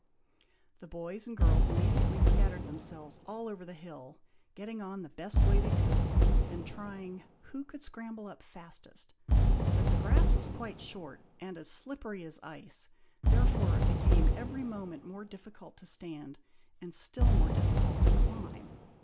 The boys and girls immediately scattered themselves all over the hill, getting on the best way they could, and trying who could scramble up fastest, but the grass was quite short, and as slippery as ice, therefore it became every moment more difficult to stand, and still more difficult to climb.